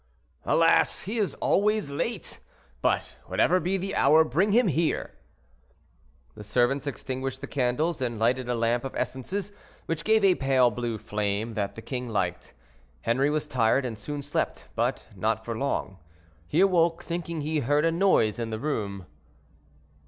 "Alas! he is always late; but whatever be the hour, bring him here." The servants extinguished the candles and lighted a lamp of essences, which gave a pale blue flame, that the king liked. Henri was tired, and soon slept, but not for long; he awoke, thinking he heard a noise in the room.